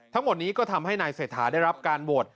ทั้งหมดนี้ก็ทำให้นายเศรษฐาได้รับการโหวต